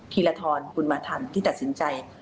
ีรทรบุญมาธรรมที่ตัดสินใจ